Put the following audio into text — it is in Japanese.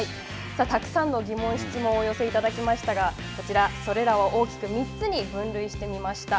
さあたくさんの疑問質問をお寄せいただきましたがこちら、それらを大きく３つに分類してみました。